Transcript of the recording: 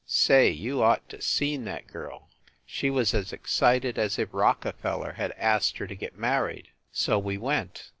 Say, you ought to seen that girl! She was as excited as if Rockefeller had asked her to get mar ried. So we went.